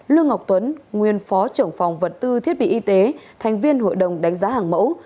lương ngọc tuấn nguyên phó trưởng phòng vật tư thiết bị y tế thành viên hội đồng đánh giá hàng mẫu